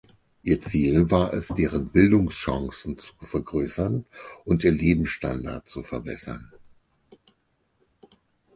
Ihr Ziel war es deren Bildungschancen zu vergrößern und ihren Lebensstandard zu verbessern.